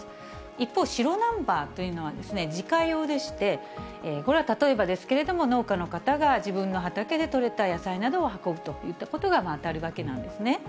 一方、白ナンバーというのは自家用でして、これは例えばですけれども、農家の方が自分の畑で取れた野菜などを運ぶといったことが当たるわけなんですね。